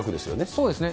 そうですね。